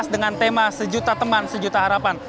dengan tema sejuta teman sejuta harapan